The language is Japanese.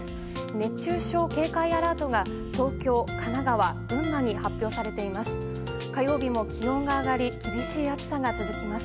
熱中症警戒アラートが東京、神奈川、群馬に発表されています。